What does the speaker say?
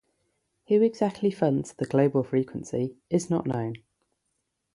Who exactly funds the Global Frequency is not known.